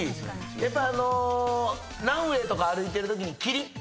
やっぱあのランウェーとか歩いてるときに。